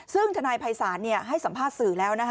ซึ่งทนายภัยศาลให้สัมภาษณ์สื่อแล้วนะคะ